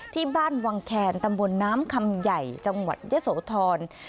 ที่บ้านวังแคนตำบลน้ำคำใหญ่จังหวัดยะโสธร